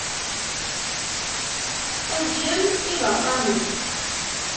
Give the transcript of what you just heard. A d kemm i d aṭṭan-iw.